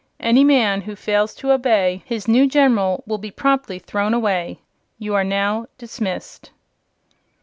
Any man who fails to obey his new General will be promptly thrown away. You are now dismissed."